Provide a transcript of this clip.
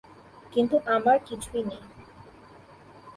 কিন্তু আমার কিছুই নেই।